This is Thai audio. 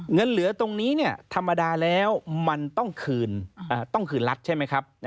เงินเหลือตรงนี้ธรรมดาแล้วมันต้องคืนต้องคืนรัฐใช่ไหมครับ